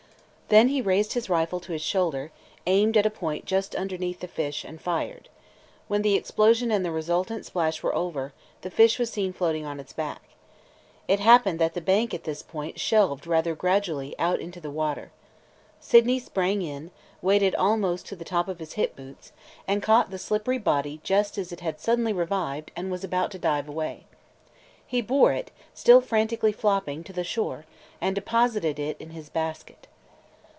Then he raised his rifle to his shoulder, aimed at a point just underneath the fish, and fired. When the explosion and the resultant splash were over, the fish was seen floating on its back. It happened that the bank at this point shelved rather gradually out into the water. Sydney sprang in, waded almost to the top of his hip boots, and caught the slippery body just as it had suddenly revived and was about to dive away. He bore it, still frantically flopping, to the shore and deposited it in his basket.